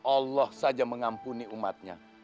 allah saja mengampuni umatnya